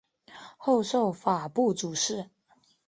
后授法部主事。